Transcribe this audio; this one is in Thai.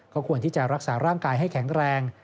ก็ควรที่จะรักษาร่างกายให้แข็งแรง